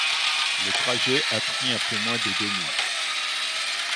Le trajet a pris un peu moins de deux mois.